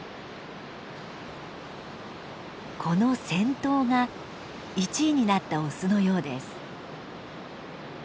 この先頭が１位になったオスのようです。